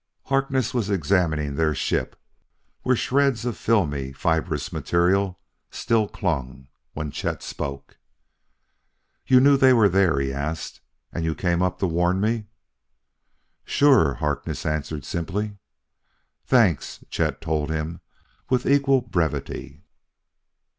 Harkness was examining their ship, where shreds of filmy, fibrous material still clung, when Chet spoke. "You knew they were there?" he asked, " and you came up to warn me?" "Sure," Harkness answered simply. "Thanks," Chet told him with equal brevity.